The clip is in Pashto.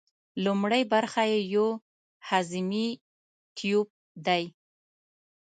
لومړۍ برخه یې یو هضمي تیوپ دی.